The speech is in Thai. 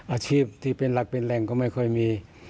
อาชีพที่เป็นหลักเป็นแหล่งก็ไม่ค่อยมี